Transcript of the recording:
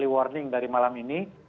warning dari malam ini